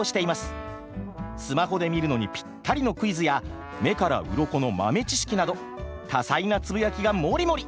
スマホで見るのにぴったりのクイズや目からうろこの豆知識など多彩なつぶやきがもりもり！